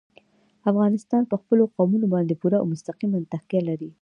افغانستان په خپلو قومونه باندې پوره او مستقیمه تکیه لري.